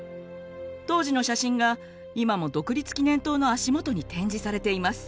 当時の写真が今も独立記念塔の足元に展示されています。